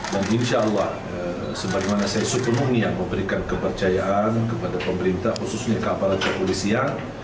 dan insyaallah sebagaimana saya sepenuhnya memberikan kepercayaan kepada pemerintah khususnya keaparat kepolisian